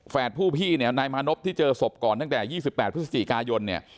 แฝดผู้พี่เนี้ยนายมานพที่เจอศพก่อนตั้งแต่ยี่สิบแปดพฤษจิกายนเนี้ย